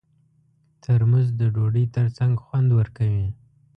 ترموز د ډوډۍ ترڅنګ خوند ورکوي.